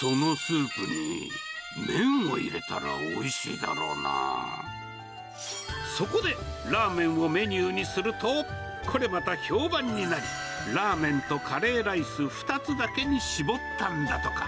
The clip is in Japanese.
そのスープに、麺を入れたらそこで、ラーメンをメニューにすると、これまた評判になり、ラーメンとカレーライス２つだけに絞ったんだとか。